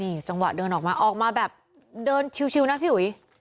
จังหวะเดินออกมาออกมาแบบเดินชิวนะพี่อุ๋ย